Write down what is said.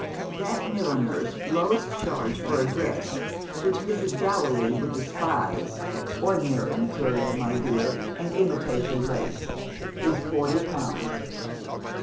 That milliner's lowest charge for a dress which Mrs. Gallilee would despise ordinary material, my dear, and imitation lace is forty pounds.